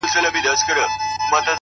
ليلا مجنون؛